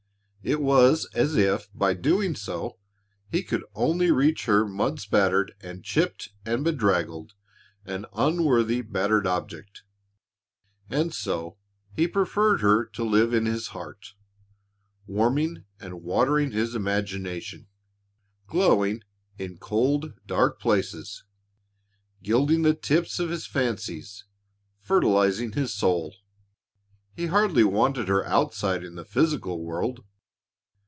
It was as if by doing so, he could only reach her mud spattered and chipped and bedraggled, an unworthy, battered object. And so he preferred her to live in his heart, warming and watering his imagination, glowing in cold, dark places, gilding the tips of his fancies, fertilising his soul. He hardly wanted her outside in the physical world.